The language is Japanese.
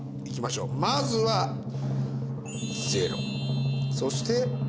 行きましょうまずはゼロそして。